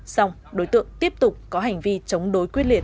xong đối tượng tiếp tục có hành vi chống đối quyết liệt